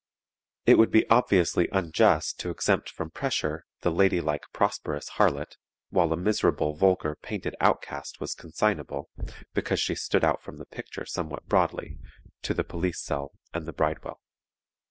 It would be obviously unjust to exempt from pressure the lady like prosperous harlot, while a miserable, vulgar, painted outcast was consignable, because she stood out from the picture somewhat broadly, to the police cell and the bridewell.